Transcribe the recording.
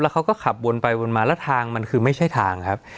เขาก็ขับวนไปวนมาแล้วทางมันคือไม่ใช่ทางครับ